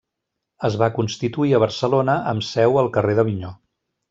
Es va constituir a Barcelona, amb seu al carrer d’Avinyó.